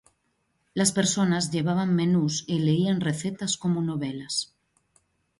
Las personas llevaban menús y leían recetas como novelas.